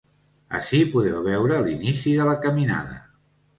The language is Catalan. Ací podeu veure l’inici de la caminada.